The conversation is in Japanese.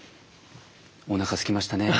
おなかすきましたね。